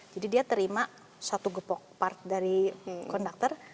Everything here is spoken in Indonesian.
jadi dia terima satu gepok part dari konduktor